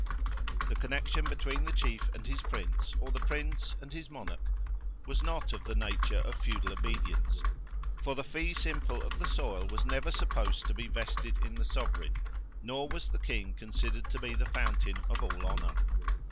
The connection between the chief and his Prince, or the Prince and his monarch, was not of the nature of feudal obedience; for the fee simple of the soil was never supposed to be vested in the sovereign, nor was the King considered to be the fountain of all honour.